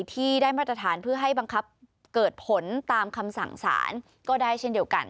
ที่ได้มาตรฐานเพื่อให้บังคับเกิดผลตามคำสั่งสารก็ได้เช่นเดียวกัน